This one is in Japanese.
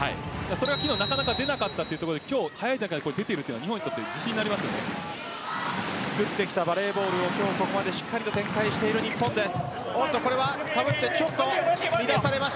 それがなかなか出なかったということで今日は早い段階で出てきているというのは作ってきたバレーボールを今日ここまでしっかりと展開している日本です。